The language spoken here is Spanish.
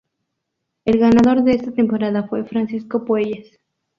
El ganador de esta temporada fue Francisco Puelles.